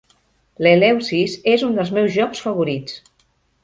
L'Eleusis és un dels meus jocs favorits.